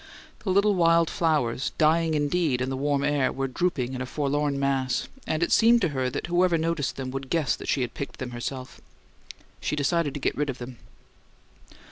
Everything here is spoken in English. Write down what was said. The little wild flowers, dying indeed in the warm air, were drooping in a forlorn mass; and it seemed to her that whoever noticed them would guess that she had picked them herself. She decided to get rid of them.